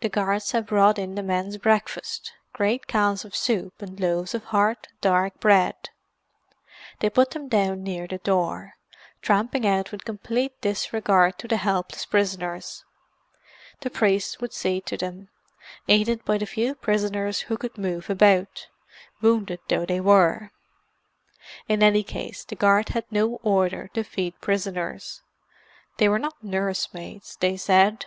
The guards had brought in the men's breakfast—great cans of soup and loaves of hard, dark bread. They put them down near the door, tramping out with complete disregard of the helpless prisoners. The priest would see to them, aided by the few prisoners who could move about, wounded though they were. In any case the guard had no order to feed prisoners; they were not nurse maids, they said.